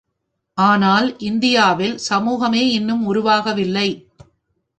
ஆனால் இந்தியாவில் சமூகமே இன்னும் உருவாகவில்லை.